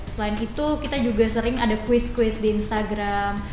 selain itu kita juga sering ada quiz quiz di instagram